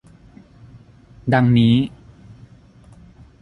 ดังนี้